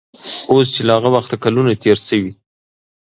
اوس چې له هغه وخته کلونه تېر شوي